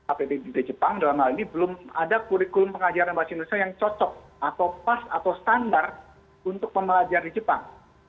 apbd jepang dalam hal ini belum ada kurikulum pengajaran bahasa indonesia yang cocok atau pas atau standar untuk pembelajar di jepang